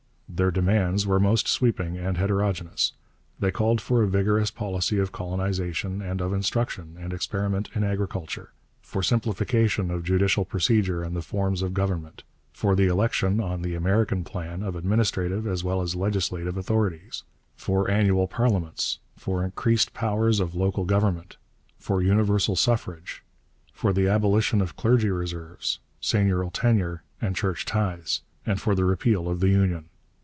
Their demands were most sweeping and heterogeneous. They called for a vigorous policy of colonization and of instruction and experiment in agriculture; for simplification of judicial procedure and the forms of government; for the election, on the American plan, of administrative as well as legislative authorities; for annual parliaments; for increased powers of local government; for universal suffrage; for the abolition of clergy reserves, seigneurial tenure, and church tithes; and for the repeal of the Union.